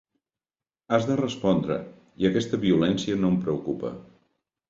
Has de respondre; i aquesta violència no em preocupa.